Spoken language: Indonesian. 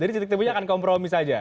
jadi titik titiknya akan kompromis saja